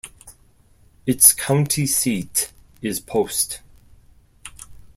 Its county seat is Post.